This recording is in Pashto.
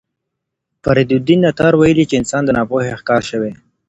فریدالدین عطار ویلي چې انسانان د ناپوهۍ ښکار شوي.